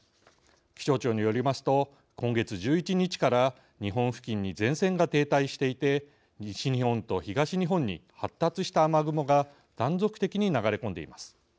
気象庁によりますと今月１１日から日本付近に前線が停滞していて西日本と東日本に発達した雨雲が断続的に流れ込んでいます。